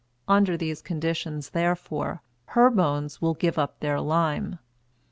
Under these conditions, therefore, her bones will give up their lime.